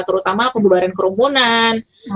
terutama pembubaran kerumunan